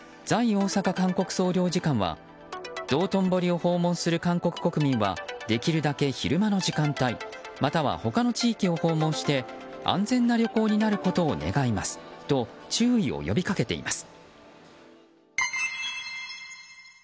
大阪韓国総領事館は道頓堀を訪問する韓国国民はできるだけ昼間の時間帯または他の地域を訪問して安全な旅行になることを願いますと注意を呼びかけています。